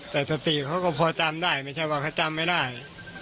แต่สติเขาก็พอจำได้ไม่ใช่ว่าเขาจำไม่ได้